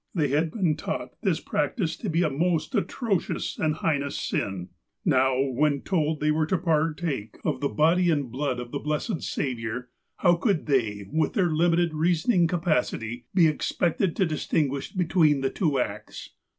They had been taught this practice to be a most atrocious and heinous sin. Now, when told that they were to partake of the body and blood 252 THE APOSTLE OF ALASKA of the blessed Saviour, how could they, with their limited reasoning capacity, be expected to distinguish between the two acts